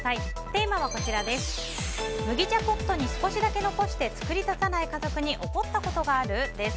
テーマは麦茶ポットに少しだけ残して作り足さない家族に怒ったことがある？です。